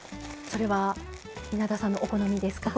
それは稲田さんのお好みですか？